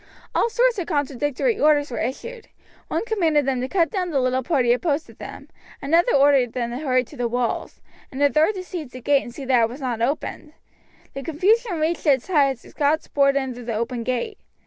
All sorts of contradictory orders were issued. One commanded them to cut down the little party opposed to them, another ordered them to hurry to the walls, a third to seize the gate and see that it was not opened. The confusion reached its height as the Scots poured in through the open gate.